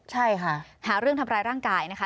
ใช่ค่ะหาเรื่องทำร้ายร่างกายนะคะ